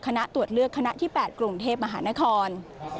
คณะตรวจเลือกคณะที่๘กรุงเทพมหานคร